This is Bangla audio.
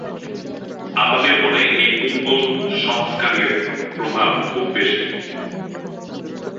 আমাদের মনে এই পূর্ব-সংস্কারের প্রভাব খুব বেশী।